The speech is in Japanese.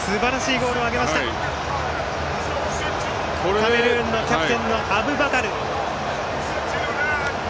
カメルーンのキャプテンアブバカル。